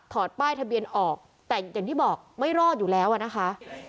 ป้ายทะเบียนออกแต่อย่างที่บอกไม่รอดอยู่แล้วอ่ะนะคะ